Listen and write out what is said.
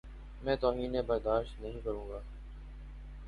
میں توہین برداشت نہیں کروں گا۔